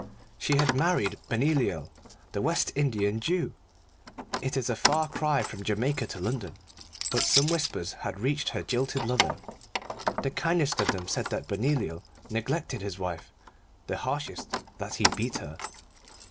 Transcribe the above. She had married Benoliel, the West Indian Jew. It is a far cry from Jamaica to London, but some whispers had reached her jilted lover. The kindest of them said that Benoliel neglected his wife, the harshest, that he beat her.